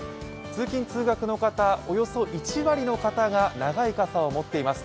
通勤通学の方、およそ１割の方が長い傘を持っています。